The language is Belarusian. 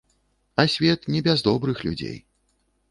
А свет не без добрых людзей.